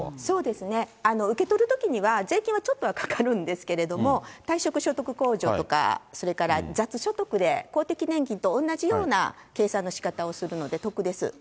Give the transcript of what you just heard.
そうですね、受け取るときには、税金はちょっとはかかるんですけれども、退職所得控除とか、それから雑所得で、公的年金と同じような計算の仕方をするので、得です。